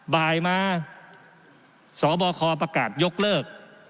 บ่ายมาสบคประกาศยกเลิก